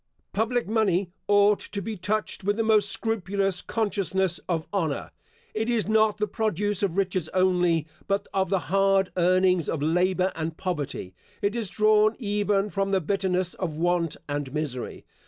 Public money ought to be touched with the most scrupulous consciousness of honour. It is not the produce of riches only, but of the hard earnings of labour and poverty. It is drawn even from the bitterness of want and misery.